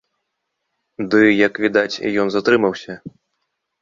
Ды, як відаць, ён затрымаўся.